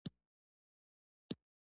قومي تعصب خلک د یو بل له همکارۍ محروموي.